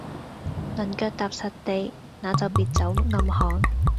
能腳踏實地，那就別走暗巷。